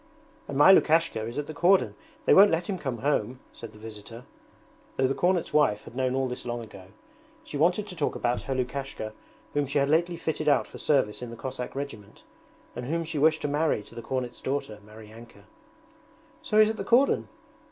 'And my Lukashka is at the cordon; they won't let him come home,' said the visitor, though the cornet's wife had known all this long ago. She wanted to talk about her Lukashka whom she had lately fitted out for service in the Cossack regiment, and whom she wished to marry to the cornet's daughter, Maryanka. 'So he's at the cordon?'